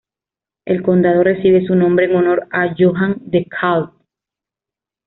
El condado recibe su nombre en honor a Johann DeKalb.